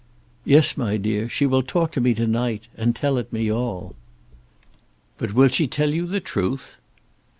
"Yes, my dear; she will talk to me to night, and tell it me all." "But will she tell you the truth?"